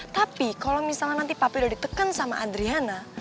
tapi kalau misalnya nanti papi udah diteken sama adriana